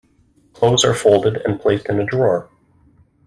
Clothes are folded and placed in a drawer.